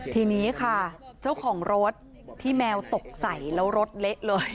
ทีนี้ค่ะเจ้าของรถที่แมวตกใส่แล้วรถเละเลย